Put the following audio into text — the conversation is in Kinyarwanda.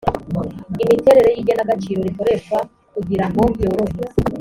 imiterere y igenagaciro rikoreshwa kugira ngo byorohe